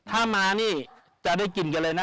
ถ้ามานี่จะได้กินกันเลยนะ